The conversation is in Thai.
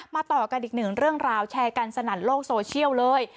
ต่อกันอีกหนึ่งเรื่องราวแชร์กันสนั่นโลกโซเชียลเลย